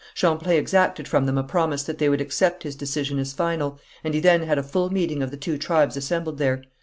Champlain exacted from them a promise that they would accept his decision as final, and he then had a full meeting of the two tribes assembled there.